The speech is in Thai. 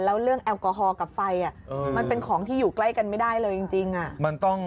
แล้วเรื่องแอลกอฮอลกับไฟมันเป็นของที่อยู่ใกล้กันไม่ได้เลยจริง